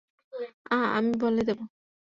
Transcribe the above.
আ-আমি বলে দেবো।